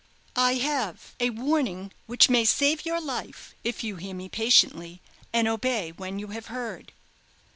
"I have a warning which may save your life if you hear me patiently, and obey when you have heard."